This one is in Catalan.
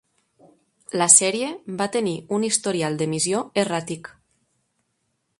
La sèrie va tenir un historial d'emissió erràtic.